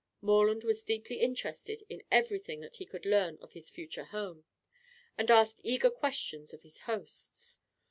Morland was deeply interested in everything that he could learn of his future home, and asked eager questions of his hosts.